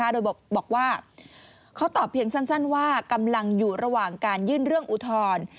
โดยบอกว่าเขาตอบเพียงสั้นว่ากำลังอยู่ระหว่างการยื่นเรื่องอุทธรณ์